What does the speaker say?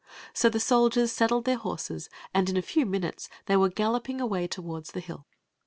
So the soldiers saddled the horses, and in a few minutes they were galloping away toward the hill.